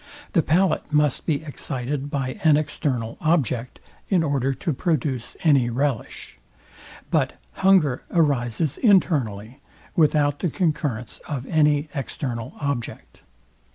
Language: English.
The palate must be excited by an external object, in order to produce any relish: But hunger arises internally, without the concurrence of any external object.